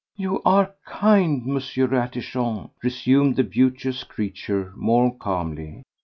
"You are kind, Monsieur Ratichon," resumed the beauteous creature more calmly.